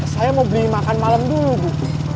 saya mau beli makan malam dulu bu